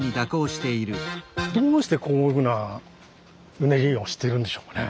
どうしてこういうふうなうねりをしてるんでしょうかね？